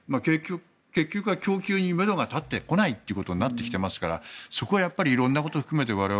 結局は供給にめどが立ってこないということになってきていますからそこは色んなことを含めて我々、